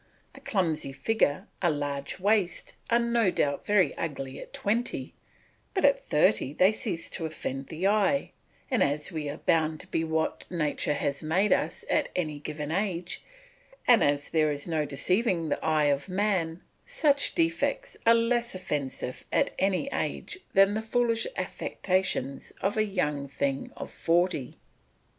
A clumsy figure, a large waist, are no doubt very ugly at twenty, but at thirty they cease to offend the eye, and as we are bound to be what nature has made us at any given age, and as there is no deceiving the eye of man, such defects are less offensive at any age than the foolish affectations of a young thing of forty.